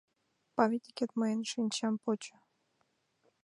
— Памятникет мыйын шинчам почо...